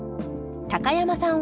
高山さん